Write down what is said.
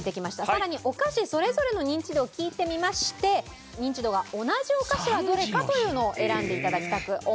さらにお菓子それぞれのニンチドを聞いてみましてニンチドが同じお菓子はどれかというのを選んで頂きたく思います。